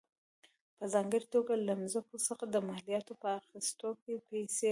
په ځانګړې توګه له ځمکو څخه د مالیاتو په اخیستو کې پیسې وې.